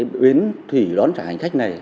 bến thủy đón trả hành khách này